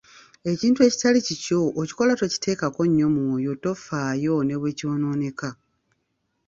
Ekintu ekitali kikyo okikola tokiteekako nnyo mwoyo tofaayo ne bwe kyonooneka.